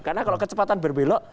karena kalau kecepatan berbelok